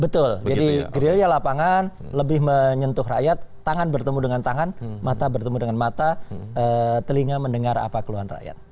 betul jadi grilya lapangan lebih menyentuh rakyat tangan bertemu dengan tangan mata bertemu dengan mata telinga mendengar apa keluhan rakyat